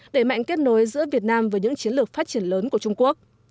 để mạnh kết nối giữa việt nam với những chiến lược phát triển lớn của trung quốc